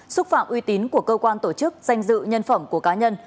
xúc phạm uy tín của cơ quan tổ chức danh dự nhân phẩm của cá nhân